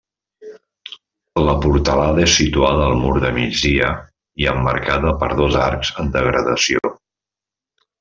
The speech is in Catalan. La portalada és situada al mur de migdia i emmarcada per dos arcs en degradació.